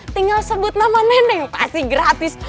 tinggal sebut nama mending pasti gratis